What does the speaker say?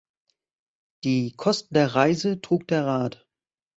Die Kosten der Reise trug der Rat.